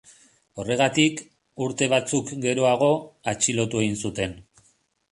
Horregatik, urte batzuk geroago, atxilotu egin zuten.